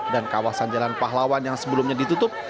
dan kawasan jalan pahlawan yang sebelumnya ditutup